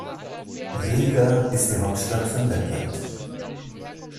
Riga ist die Hauptstadt von Lettland.